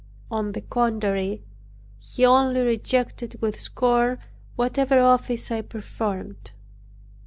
On the contrary, he only rejected with scorn whatever office I performed.